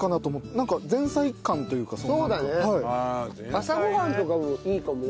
朝ご飯とかにいいかもね。